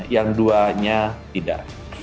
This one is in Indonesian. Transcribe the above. yang duanya tidak